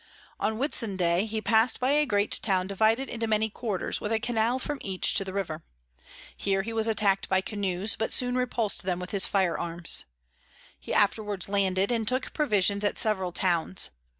On Whitsunday he pass'd by a great Town divided into many Quarters, with a Canal from each to the River. Here he was attack'd by Canoes, but soon repuls'd them with his Fire Arms. He afterwards landed, and took Provisions at several Towns.